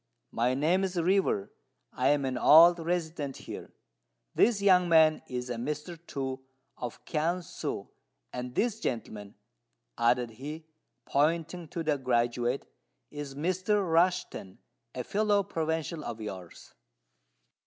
My name is River: I am an old resident here. This young man is a Mr. Tu, of Kiang si; and this gentleman," added he, pointing to the graduate, "is Mr. Rushten, a fellow provincial of yours."